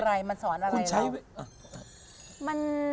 ถึงไม่เข็ดมันสอนอะไรเรา